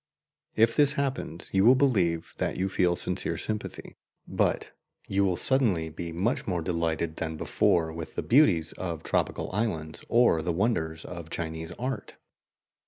If this happens, you will believe that you feel sincere sympathy, but you will suddenly be much more delighted than before with the beauties of tropical islands or the wonders of Chinese art.